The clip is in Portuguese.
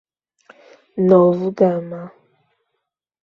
Novo Gama